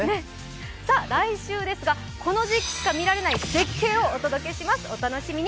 さ、来週ですがこの時期にしか見られない絶景をお届けします。